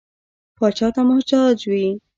پاچا ته محتاج وي.